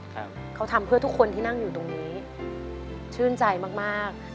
ครับเขาทำเพื่อทุกคนที่นั่งอยู่ตรงนี้ชื่นใจมากมาก